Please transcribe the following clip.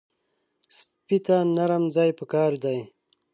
سپي ته نرم ځای پکار دی.